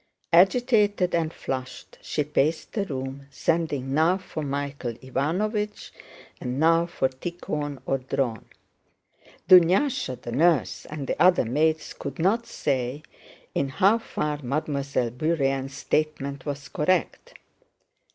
Agitated and flushed she paced the room, sending now for Michael Ivánovich and now for Tíkhon or Dron. Dunyásha, the nurse, and the other maids could not say in how far Mademoiselle Bourienne's statement was correct.